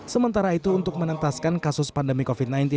sementara itu untuk menentaskan kasus pandemi covid sembilan belas